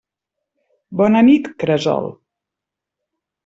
Bona nit, cresol.